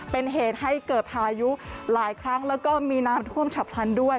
เป็นเหตุให้เกิดพายุหลายครั้งแล้วก็มีน้ำท่วมฉับพลันด้วย